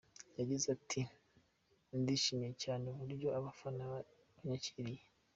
Yagize ati “Ndishimye cyane uburyo abafana banyakiriye.